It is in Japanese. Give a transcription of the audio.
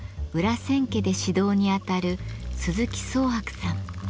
千家で指導にあたる鈴木宗博さん。